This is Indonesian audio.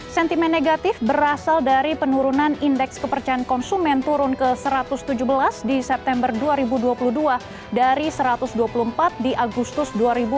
sentimen negatif berasal dari penurunan indeks kepercayaan konsumen turun ke satu ratus tujuh belas di september dua ribu dua puluh dua dari satu ratus dua puluh empat di agustus dua ribu dua puluh